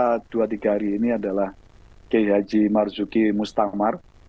muka dua tiga hari ini adalah kiai haji marzuki mustamar